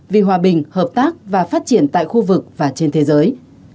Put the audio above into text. vì hòa bình hợp tác và phát triển tại khu vực và trên thế giới